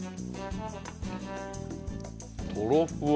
とろふわ！